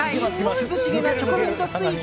涼しげなチョコミントスイーツ